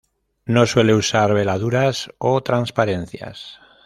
No suele usar veladuras o transparencias.